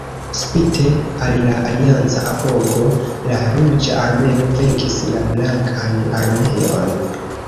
Spite al la alianca apogo, la Ruĝa Armeo venkis la Blankan Armeon.